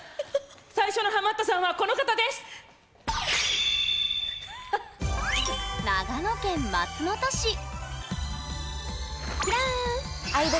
最初のハマったさんはこの方です！キラン！